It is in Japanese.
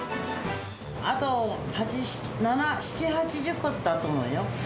あと７、８０個だと思うよ。